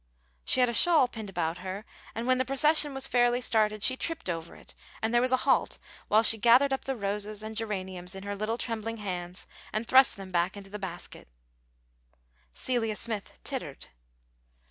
She had a shawl pinned about her, and when the procession was fairly started she tripped over it, and there was a halt while she gathered up the roses and geraniums in her little trembling hands and thrust them back into the basket. Celia Smith tittered.